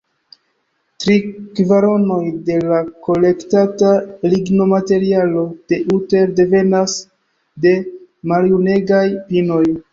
Tri kvaronoj de la kolektata lignomaterialo de Utter devenas de maljunegaj pinoj.